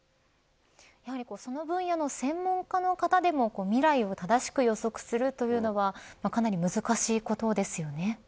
やはりその分野の専門家の方でも未来を正しく予測するというのはかなり難しいことですよね。